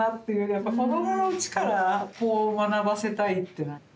やっぱこどものうちからこう学ばせたいって。